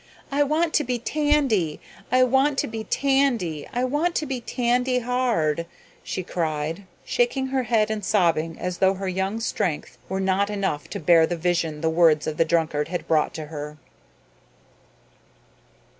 "I want to be Tandy. I want to be Tandy. I want to be Tandy Hard," she cried, shaking her head and sobbing as though her young strength were not enough to bear the vision the words of the drunkard had brought to her.